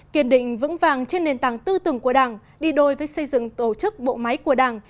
kiên định vững vàng trên nền tảng tư tưởng của đảng đi đôi với xây dựng tổ chức bộ máy của đảng